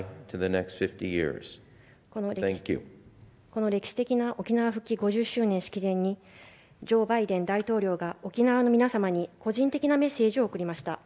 この歴史的な「沖縄復帰５０周年式典」にジョー・バイデン大統領が沖縄の皆様に個人的なメッセージを送りました。